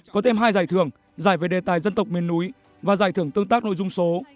có thêm hai giải thưởng giải về đề tài dân tộc miền núi và giải thưởng tương tác nội dung số